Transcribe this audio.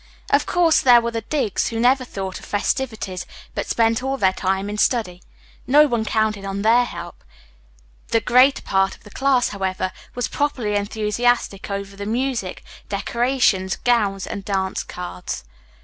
Of course, there were the digs, who never thought of festivities, but spent all their time in study. No one counted on their help. The greater part of the class, however, was properly enthusiastic over the music, decorations, gowns and dance cards.